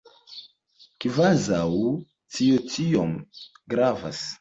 Kvazaŭ tio tiom gravas.